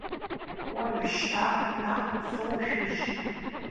Уажәшьҭа наҟ соушәыжь!